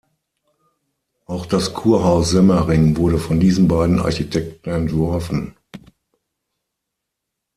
Auch das Kurhaus Semmering wurde von diesen beiden Architekten entworfen.